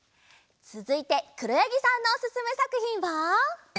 つづいてくろやぎさんのおすすめさくひんは。